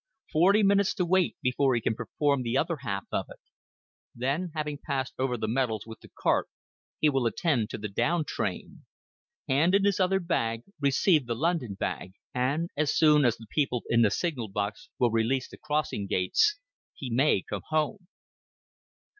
Forty minutes to wait before he can perform the other half of it. Then, having passed over the metals with the cart, he will attend to the down train; hand in his other bag, receive the London bag; and, as soon as the people in the signal box will release the crossing gates, he may come home.